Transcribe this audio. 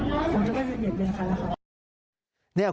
ผมจะไม่ได้เกลียดเณียงใครครับ